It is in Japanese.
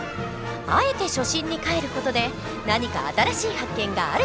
あえて初心にかえる事で何か新しい発見があるかもしれない！